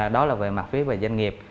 đó là về mặt phía về doanh nghiệp